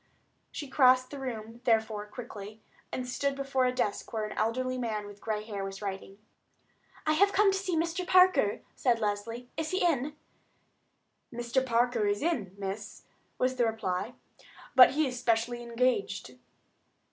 She crossed the room, therefore, quickly, and stood before a desk where an elderly man with gray hair was writing. "I have come to see Mr. Parker," said Leslie; "is he in?" "Mr. Parker is in, miss," was the reply; "but he is specially engaged."